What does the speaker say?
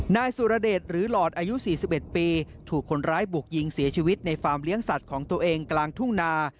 นายสุรเดชหรือหลอดอายุ๔๑ปีถูกคนร้ายบุกยิงเสียชีวิตในฟาร์มเลี้ยงสัตว์ของตัวเองกลางทุ่งนา